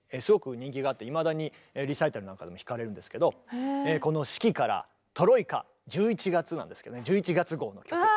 すごく人気があっていまだにリサイタルなんかでも弾かれるんですけど１１月なんですけどね１１月号の曲。